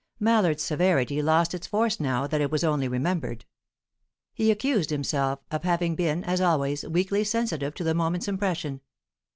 Mallard's severity lost its force now that it was only remembered. He accused himself of having been, as always, weakly sensitive to the moment's impression.